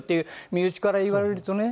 身内から言われるとね